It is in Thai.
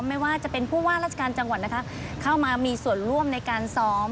ไม่ว่าจะเป็นผู้ว่าราชการจังหวัดนะคะเข้ามามีส่วนร่วมในการซ้อม